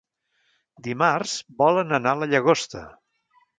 Dimarts volen anar a la Llagosta.